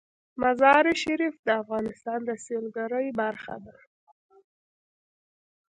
مزارشریف د افغانستان د سیلګرۍ برخه ده.